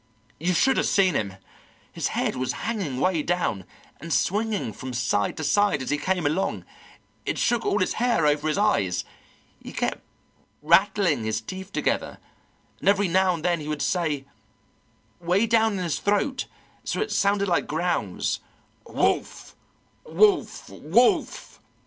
You should have seen him; his head was hanging way down, and swinging from side to side as he came along; it shook all his hair over his eyes. He kept rattling his teeth together, and every now and then he would say, way down in his throat so it sounded like growls, 'Wolf wolf wolf.'